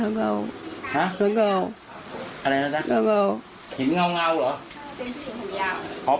เป็นผู้หญิงผมยาว